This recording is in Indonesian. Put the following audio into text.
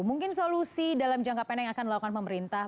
mungkin solusi dalam jangka pendek yang akan dilakukan pemerintah